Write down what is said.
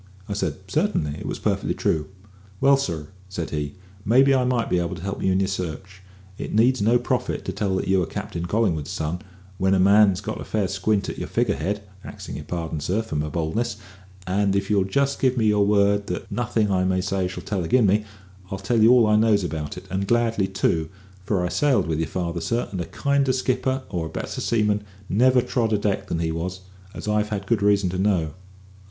I said, "Certainly; it was perfectly true." "Well, sir," said he, "maybe I might be able to help you in your search. It needs no prophet to tell that you are Captain Collingwood's son, when a man gets a fair squint at your figure head, axing your pardon, sir, for my boldness; and if you'll just give me your word that nothing I may say shall tell agin me, I'll tell you all I knows about it, and gladly too; for I sailed with your father, sir, and a kinder skipper or a better seaman never trod a deck than he was, as I've had good reason to know."